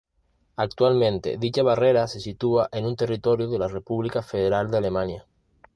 Actualmente dicha barrera se sitúa en territorio de la República Federal de Alemania.